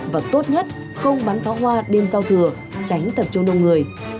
và tốt nhất không bắn phó hoa đêm sau thừa tránh tập trung đông người